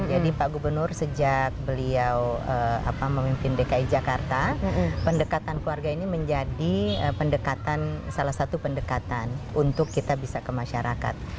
jadi pak gubernur sejak beliau memimpin dki jakarta pendekatan keluarga ini menjadi pendekatan salah satu pendekatan untuk kita bisa ke masyarakat